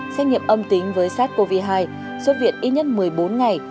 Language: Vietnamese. xét nghiệm âm tính với sars cov hai xuất viện ít nhất một mươi bốn ngày